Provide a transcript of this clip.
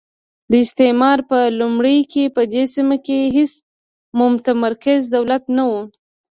د استعمار په لومړیو کې په دې سیمه کې هېڅ متمرکز دولت نه وو.